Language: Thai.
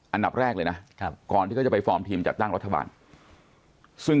อันดับแรกเลยนะก่อนที่เขาจะไปฟอร์มทีมจัดตั้งรัฐบาลซึ่ง